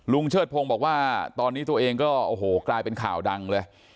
เชิดพงศ์บอกว่าตอนนี้ตัวเองก็โอ้โหกลายเป็นข่าวดังเลย